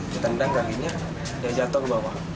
ditandang kalinya dan jatuh ke bawah